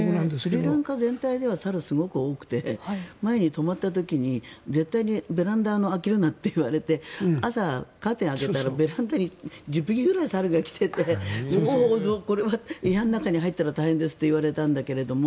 スリランカ全体では猿ってすごく多くて前に泊まった時絶対にベランダを開けるなって言われて朝、カーテンを開けたらベランダに１０匹ぐらい猿が来てて部屋の中に入ったら大変ですって言われたんだけど。